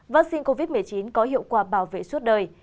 vắc xin covid một mươi chín có hiệu quả bảo vệ suốt đời